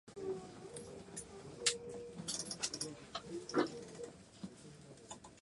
僕は次の言葉を探す。何も言葉は出てこない。